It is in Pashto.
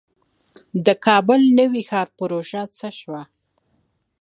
د کابل نوی ښار پروژه څه شوه؟